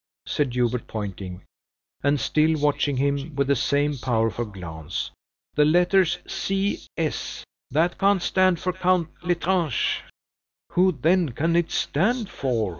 said Hubert, pointing, and still watching him with the same powerful glance. "The letters C. S. That can't stand for Count L'Estrange." "Who then can it stand for?"